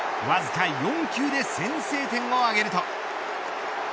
わずか４球で先制点を挙げると。